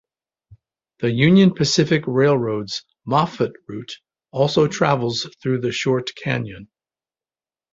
The Union Pacific Railroad's Moffat Route also travels through the short canyon.